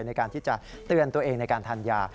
ในการที่จะเตือนตัวเองในการทานยา